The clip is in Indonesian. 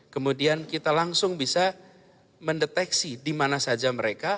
kemudian kita langsung bisa mendeteksi di mana saja mereka